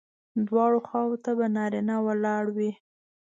دواړو خواوو ته به نارینه ولاړ وي.